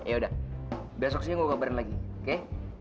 yaudah besok sih gue kabarin lagi oke